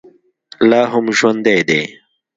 لا هم ژوندی دی.